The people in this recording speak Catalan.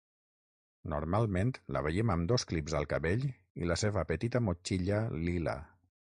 Normalment la veiem amb dos clips al cabell i la seva petita motxilla lila.